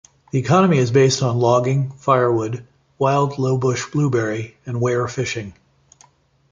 The economy is based on logging, firewood, wild lowbush blueberry and weir fishing.